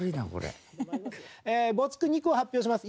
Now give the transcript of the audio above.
没句２句を発表します。